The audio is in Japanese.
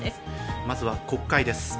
まずは国会です。